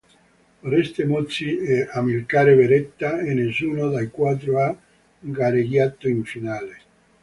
Oreste Muzzi e Amilcare Beretta e nessuno dei quattro ha gareggiato in finale.